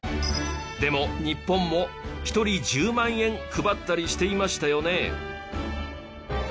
でも日本も１人１０万円配ったりしていましたよね。